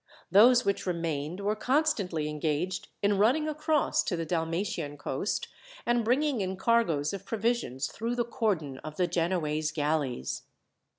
Those which remained, were constantly engaged in running across to the Dalmatian coast, and bringing in cargoes of provisions through the cordon of the Genoese galleys.